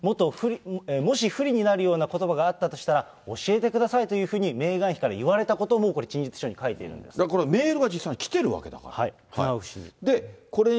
もし不利になるようなことばがあったとしたら教えてくださいというふうにメーガン妃から言われたことも、陳述書に書いているんでだからこれ、メールが実際来てるわけだから、クナウフ氏に。